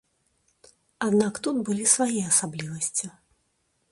Аднак тут былі свае асаблівасці.